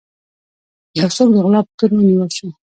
يو څوک د غلا په تور ونيول شو.